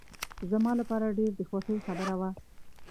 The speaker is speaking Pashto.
زما لپاره ډېر د خوښۍ خبره وه.